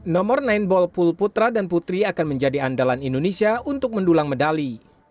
nomor sembilan ball pool putra dan putri akan menjadi andalan indonesia untuk mendulang medali